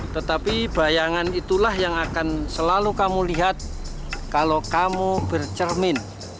tetapi bayangan itulah yang akan selalu kamu lihat kalau kamu bercermin